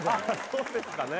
そうですかね。